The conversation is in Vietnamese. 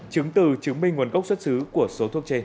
chứng từ chứng minh nguồn gốc xuất xứ của số thuốc trên